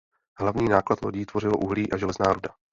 Hlavní náklad lodí tvořilo uhlí a železná ruda.